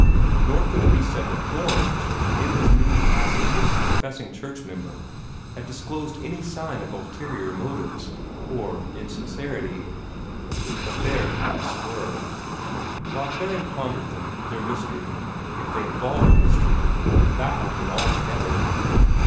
Nor could it be said that Gorringe, in his new capacity as a professing church member, had disclosed any sign of ulterior motives, or of insincerity. Yet there the facts were. While Theron pondered them, their mystery, if they involved a mystery, baffled him altogether.